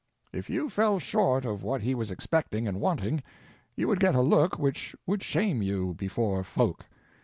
If you fell short of what he was expecting and wanting, you would get a look which would shame you before folk.